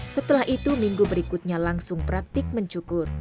setelah itu minggu berikutnya langsung praktik mencukur